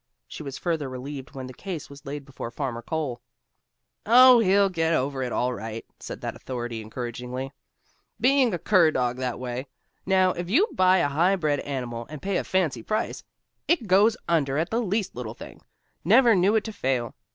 She was further relieved when the case was laid before Farmer Cole. "Oh, he'll get over it all right," said that authority encouragingly. "Being a cur dog, that way. Now, if you buy a highbred animal, and pay a fancy price, it goes under at the least little thing. Never knew it to fail.